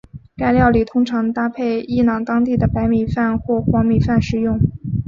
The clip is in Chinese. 该料理通常搭配伊朗当地的白米饭或黄米饭食用。